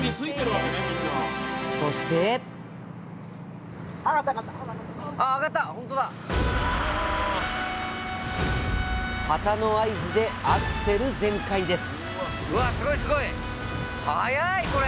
そして旗の合図でアクセル全開です！